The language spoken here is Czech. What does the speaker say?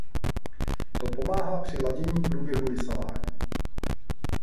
To pomáhá při ladění průběhu lisování.